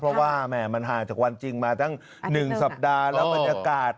เพราะว่าแหม่มันห่างจากวันจริงมาตั้ง๑สัปดาห์แล้วบรรยากาศ